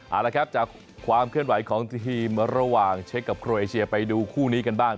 เอาละครับจากความเคลื่อนไหวของทีมระหว่างเช็คกับโครเอเชียไปดูคู่นี้กันบ้าง